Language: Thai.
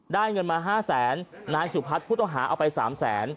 ได้เงินมา๕๐๐๐๐๐บาทนายสุพรรคผู้ต่อหาเอาไป๓๐๐๐๐๐บาท